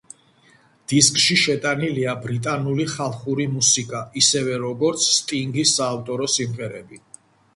დისკში შეტანილია ბრიტანული ხალხური მუსიკა, ისევე როგორც სტინგის საავტორო სიმღერები.